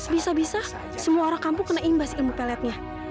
bisa bisa semua orang kampung kena imbas ilmu peletnya